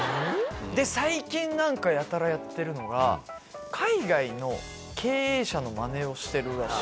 最近何かやたらやってるのが海外の経営者のマネをしてるらしい。